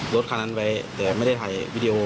รถคันนั้นไว้แต่ไม่ได้ถ่ายวีดีโอ